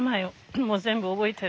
もう全部覚えてる？